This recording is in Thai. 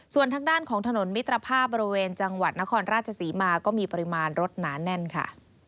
ส่วนทางด้านของถนนมิตรภาพบริเวณจังหวัดนครราชศรีมาก็มีปริมาณรถหนาแน่นค่ะ